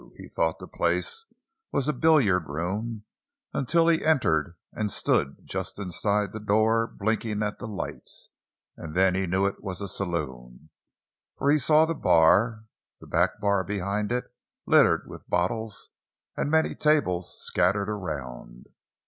He thought the place was a billiard room until he entered and stood just inside the door blinking at the lights; and then he knew it was a saloon, for he saw the bar, the back bar behind it, littered with bottles, and many tables scattered around.